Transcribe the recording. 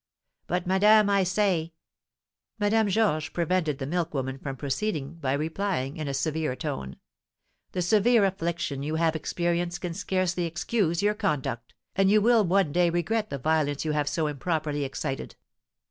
"But, madame, I say " Madame Georges prevented the milk woman from proceeding by replying, in a severe tone: "The severe affliction you have experienced can scarcely excuse your conduct, and you will one day regret the violence you have so improperly excited.